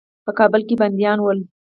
په کابل کې بندیان ول.